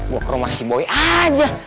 gue ke rumah si boy aja